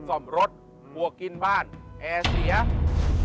ในการนำชมสถานที่แล้วก็เล่าเรื่องราวต่างประวัติต่างหน่อย